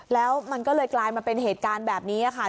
แล้วมันก็เลยกลายมาเป็นเหตุการณ์แบบนี้ค่ะ